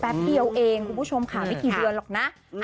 เดียวเองคุณผู้ชมค่ะไม่กี่เดือนหรอกนะ